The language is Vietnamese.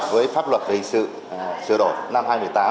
với pháp luật về hình sự sửa đổi năm hai nghìn một mươi tám